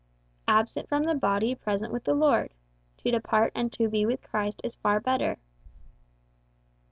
"'Absent from the body, present with the Lord.' 'To depart and to be with Christ is far better.